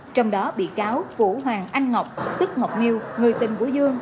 trong đó bị cáo vũ hoàng anh ngọc tức ngọc nhiêu người tên của dương